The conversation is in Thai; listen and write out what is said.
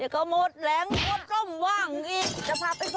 เอาเราก็อยู่กับรถ